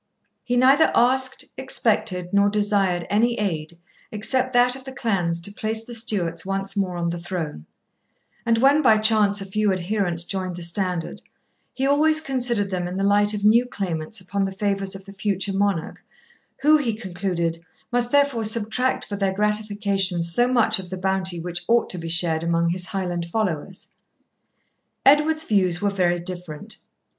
He neither asked, expected, nor desired any aid except that of the clans to place the Stuarts once more on the throne; and when by chance a few adherents joined the standard, he always considered them in the light of new claimants upon the favours of the future monarch, who, he concluded, must therefore subtract for their gratification so much of the bounty which ought to be shared among his Highland followers. Edward's views were very different.